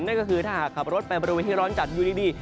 นั่นก็คือถ้าหากขับรถไปบริเวณที่ร้อนจัดอยู่ดี